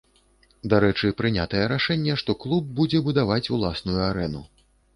Дарэчы, прынятае рашэнне, што клуб будзе будаваць уласную арэну.